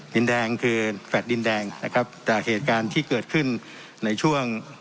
ดินแดงคือแฟลต์ดินแดงนะครับจากเหตุการณ์ที่เกิดขึ้นในช่วง